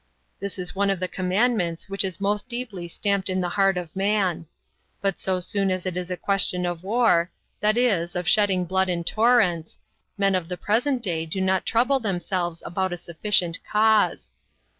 This is one of the commandments which is most deeply stamped in the heart of man. But so soon as it is a question of war, that is, of shedding blood in torrents, men of the present day do not trouble themselves about a sufficient cause.